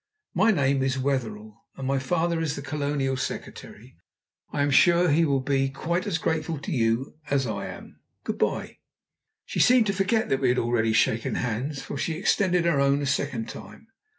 My name is Wetherell, and my father is the Colonial Secretary. I'm sure he will be quite as grateful to you as I am. Good bye." She seemed to forget that we had already shaken hands, for she extended her own a second time.